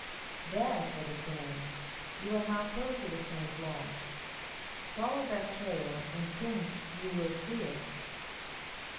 "There," said the swans; "you are now close to the Sun's lodge. Follow that trail, and soon you will see it."